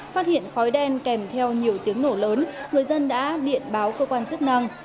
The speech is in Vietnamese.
phát hiện khói đen kèm theo nhiều tiếng nổ lớn người dân đã điện báo cơ quan chức năng